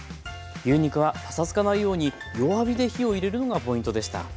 牛肉はパサつかないように弱火で火を入れるのがポイントでした。